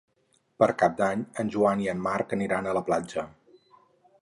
Per Cap d'Any en Joan i en Marc aniran a la platja.